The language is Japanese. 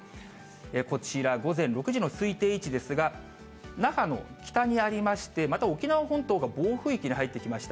こちら、午前６時の推定位置ですが、那覇の北にありまして、また沖縄本島が暴風域に入ってきました。